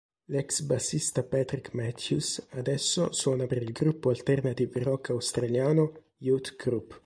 L'ex bassista Patrick Matthews adesso suona per il gruppo alternative rock australiano Youth Group.